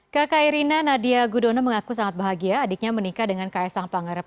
kakak irina nadia gudono mengaku sangat bahagia adiknya menikah dengan kaisang pangarep